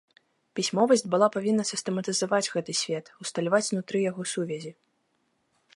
Пісьмовасць была павінна сістэматызаваць гэты свет, усталяваць знутры яго сувязі.